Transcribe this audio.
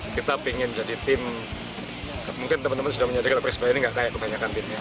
kita ingin jadi tim mungkin teman teman sudah menyadari kalau persebaya ini nggak kayak kebanyakan timnya